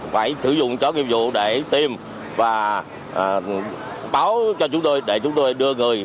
phải sử dụng chó nghiệp vụ để tìm và báo cho chúng tôi để chúng tôi đưa người